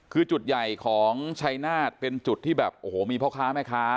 คือจุดใหญ่ของชัยนาฏเป็นจุดที่แบบโอ้โหมีพ่อค้าแม่ค้า